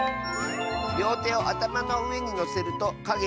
「りょうてをあたまのうえにのせるとかげ